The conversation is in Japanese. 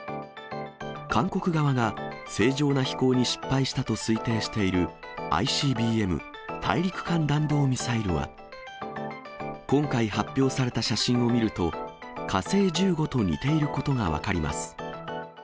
韓国側が正常な飛行に失敗したと推定しているＩＣＢＭ・大陸間弾道ミサイルは、今回発表された写真を見ると、火星１５と似ていることが分かります。